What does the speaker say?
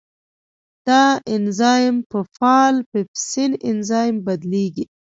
دا انزایم په فعال پیپسین انزایم بدلېږي.